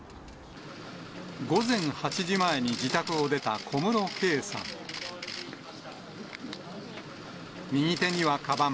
午前８時前に自宅を出た小室圭さん。